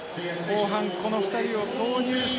後半この２人を投入して勝負。